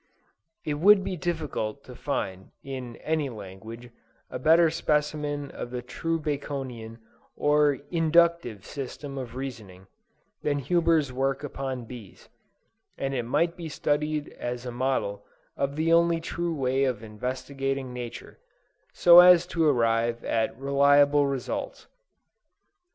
It would be difficult to find, in any language, a better specimen of the true Baconian or inductive system of reasoning, than Huber's work upon bees, and it might be studied as a model of the only true way of investigating nature, so as to arrive at reliable results.